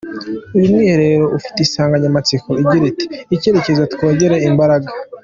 Uyu mwiherero ufite insanganyamatsiko igira iti” Icyerekezo, Twongere Imbaraga.